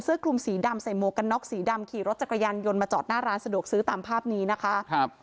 คลุมสีดำใส่หมวกกันน็อกสีดำขี่รถจักรยานยนต์มาจอดหน้าร้านสะดวกซื้อตามภาพนี้นะคะครับ